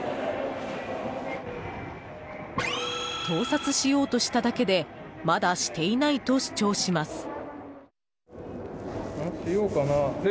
盗撮しようとしただけでまだしていないと主張します。